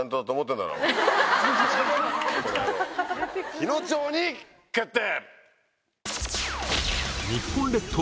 日野町に決定！